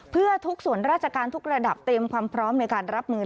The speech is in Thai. เพื่อทุกส่วนราชการทุกระดับเตรียมความพร้อมในการรับมือ